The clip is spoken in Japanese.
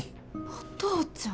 お父ちゃん。